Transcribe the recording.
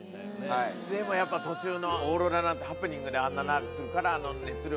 でもやっぱ途中のオーロラなんてハプニングであんなになるあの熱量だから。